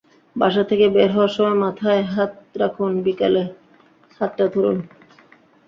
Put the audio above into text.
বাসা থেকে বের হওয়ার সময় মাথায় হাত রাখুন, বিকেলে হাতটা ধরুন।